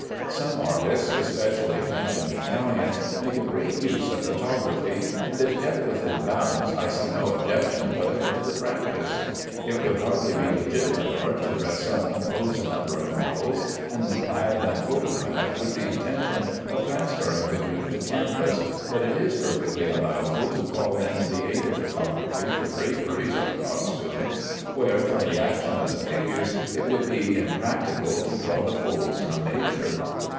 Some artists, especially French and Italians, make a great use of photography, and, if kept within bounds, I see no objection whatever to the practice. It would hardly be legitimate art to dress up and pose a number of models and have them photographed with the intention of transferring the group to canvas, but it is perfectly allowable to call in the aid of photography for draperies or costumes, where, from the action of the figures, it would be impracticable to draw the folds from nature.